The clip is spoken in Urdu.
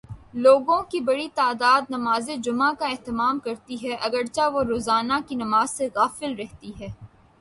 لوگوں کی بڑی تعداد نمازجمعہ کا اہتمام کرتی ہے، اگر چہ وہ روزانہ کی نماز سے غافل رہتی ہے۔